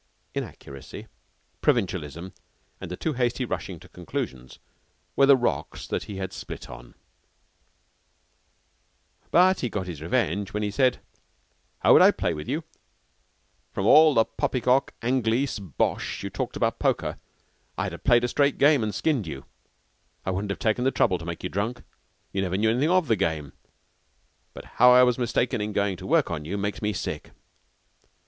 Inaccuracy, provincialism, and a too hasty rushing to conclusions, were the rocks that he had split on, but he got his revenge when he said: "How would I play with you? From all the poppycock Anglice bosh you talked about poker, I'd ha' played a straight game, and skinned you. I wouldn't have taken the trouble to make you drunk. You never knew anything of the game, but how I was mistaken in going to work on you, makes me sick."